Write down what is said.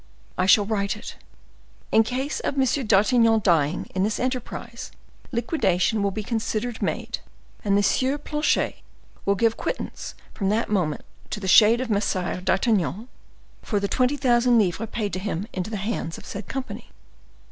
I shall write it:—'In case of M. d'Artagnan dying in this enterprise, liquidation will be considered made, and the Sieur Planchet will give quittance from that moment to the shade of Messire d'Artagnan for the twenty thousand livres paid by him into the hands of the said company.